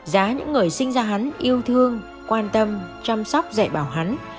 giá những người sinh ra hắn yêu thương quan tâm chăm sóc dạy bảo hắn